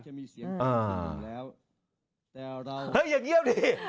เฮ้ยอย่างเงียบดิ